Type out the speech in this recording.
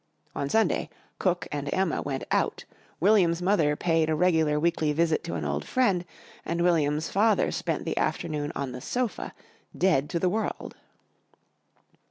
On Sunday Cook and Emma went out, William's mother paid a regular weekly visit to an old friend and William's father spent the afternoon on the sofa, dead to the world.